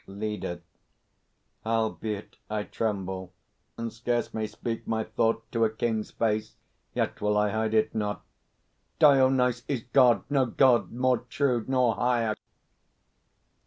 LEADER. Albeit I tremble, and scarce may speak my thought To a king's face, yet will I hide it not. Dionyse is God, no God more true nor higher!